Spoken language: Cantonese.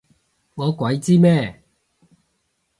我鬼知咩？